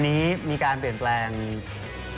ก็คือคุณอันนบสิงต์โตทองนะครับ